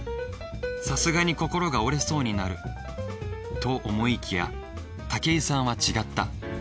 さすがに心が折れそうになると思いきや武井さんは違った。